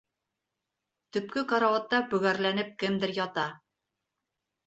Төпкө карауатта бөгәрләнеп кемдер ята.